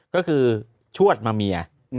ก็คือชวดมาเมีย